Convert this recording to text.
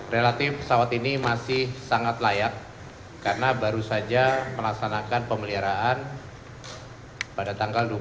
relatif pesawat ini masih sangat layak karena baru saja melaksanakan pemeliharaan pada tanggal dua puluh dua agustus dua ribu dua puluh dua